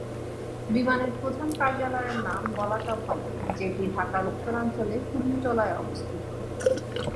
বিমানের প্রধান কার্যালয়ের নাম "বলাকা ভবন", যেটি ঢাকার উত্তরাঞ্চলে কুর্মিটোলায় অবস্থিত।